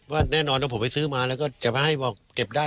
แน่นอนว่าผมไปซื้อมาแล้วก็จะมาให้บอกเก็บได้